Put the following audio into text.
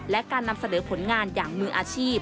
และการนำเสนอผลงานอย่างมืออาชีพ